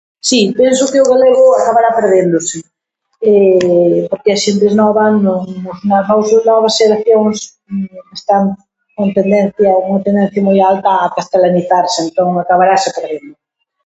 Si, penso que o galego acabará perdéndose porque a xentes nova non, as nosos novas xeracións están con tendencia, cunha tendencia moi alta a castelanizarse, entón acabarase perdendo.